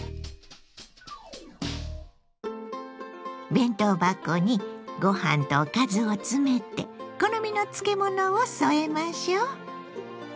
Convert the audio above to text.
弁当箱にご飯とおかずを詰めて好みの漬物を添えましょう。